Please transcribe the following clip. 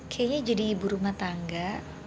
kayaknya jadi ibu rumah tangga